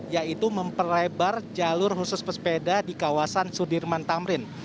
yaitu memperlebar jalur khusus pesepeda di kawasan sudirman tamrin